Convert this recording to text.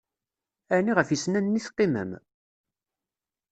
Ɛni, ɣef yisennanen i teqqimem?